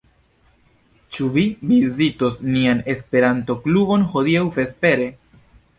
Ĉu vi vizitos nian Esperanto-klubon hodiaŭ vespere?